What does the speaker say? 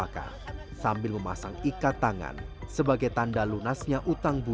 kami mengharapkan juga kepada bapak ibu